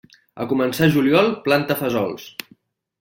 A començar juliol, planta fesols.